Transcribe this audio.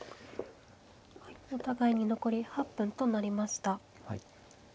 はいお互いに残り８分となりました。